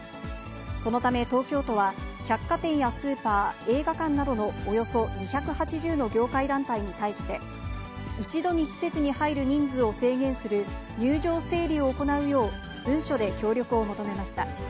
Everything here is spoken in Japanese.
そのため、東京都は、百貨店やスーパー、映画館などのおよそ２８０の業界団体に対して、一度に施設に入る人数を制限する、入場整理を行うよう文書で協力を求めました。